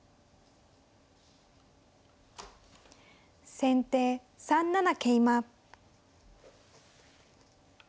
先手３七桂馬。